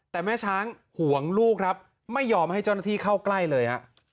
แต่แม่ช้างห่วงลูกครับไม่ยอมให้เจ้าหน้าที่เข้าใกล้เลยฮะ